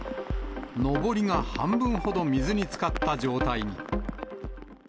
のぼりが半分ほど水につかった状態に。